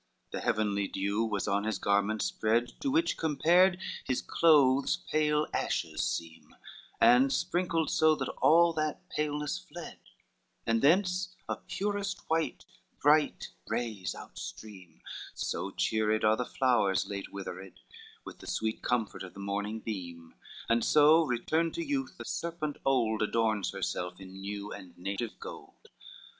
XVI The heavenly dew was on his garments spread, To which compared, his clothes pale ashes seem, And sprinkled so, that all that paleness fled And thence, of purest white, bright rays outstream; So cheered are the flowers late withered With the sweet comfort of the morning beam, And so, returned to youth, a serpent old Adorns herself in new and native gold.